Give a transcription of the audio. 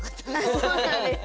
あそうなんです。